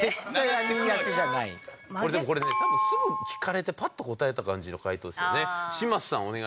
でもこれね多分すぐ聞かれてパッと答えた感じの回答ですよね。